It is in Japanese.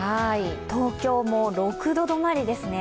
東京も６度止まりですね。